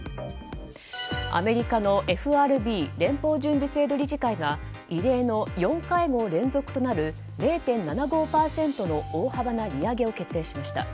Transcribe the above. アメリカのＦＲＢ・連邦準備制度理事会が異例の４会合連続となる０．７５ポイントの大幅な利上げを決定しました。